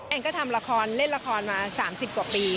ก็ทำละครเล่นละครมา๓๐กว่าปี